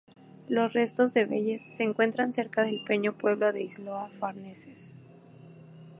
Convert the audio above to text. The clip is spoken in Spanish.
Los restos de Veyes se encuentran cerca del pequeño pueblo de Isola Farnese.